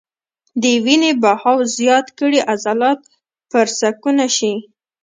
د وينې بهاو زيات کړي عضلات پرسکونه شي -